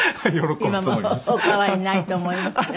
今もお変わりないと思いますが。